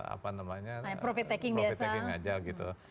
apa namanya profit taking aja gitu